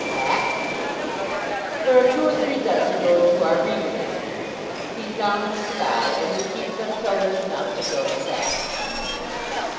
"Packed!" "There are two or three dozen going to our reader this week. He's down in Skye, and we keep them till there's enough to fill the sack."